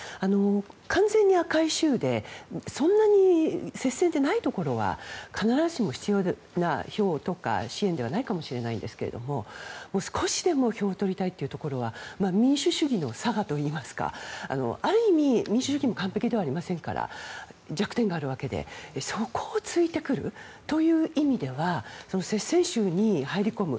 完全に赤い州でそんなに接戦ではないところは必ずしも必要な票とか支援ではないかもしれないんですが少しでも票を取りたいところでは民主主義の性といいますかある意味、民主主義も完璧ではありませんから弱点があるわけでそこを突いてくるという意味では接戦州に入り込む